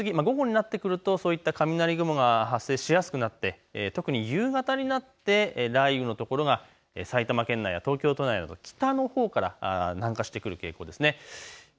ただ昼過ぎ、午後になってくるとそういった雷雲が発生しやすくなって特に夕方になって雷雨の所が埼玉県内や東京都内の北のほうから南下してくる傾向です。